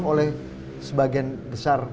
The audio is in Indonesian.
oleh sebagian besar